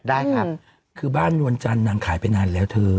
ได้ครับคือบ้านนวลจันทร์นางขายไปนานแล้วเธอ